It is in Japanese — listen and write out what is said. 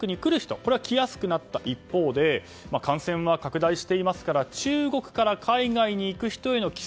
これは来やすくなった一方感染が拡大していますから中国から海外に行く人への規制